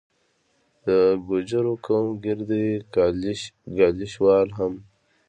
د ګوجرو قوم ګیري دي، ګالیش وال هم